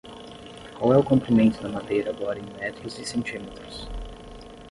Qual é o comprimento da madeira agora em metros e centímetros?